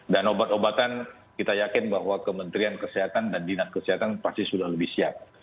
dan obat obatan kita yakin bahwa kementerian kesehatan dan dinas kesehatan pasti akan lebih siap